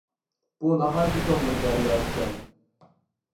بۇ ناھايىتى چوڭ بىر دەريا ئىكەن.